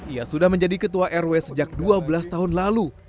ia sudah menjadi ketua rw sejak dua belas tahun lalu